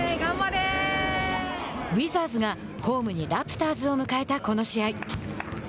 ウィザーズがホームにラプターズを迎えたこの試合。